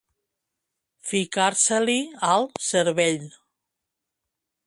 Ficar-se-li al cervell.